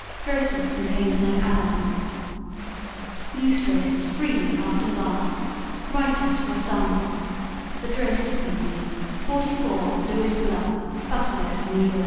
DROSIS CONTAINS NO ALUM Use Drosis freely after the bath. Write us for a sample THE DROSIS COMPANY, 44 Lewis Block, Buffalo, N. Y.